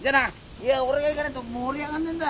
いや俺が行かねえと盛り上がんねえんだ。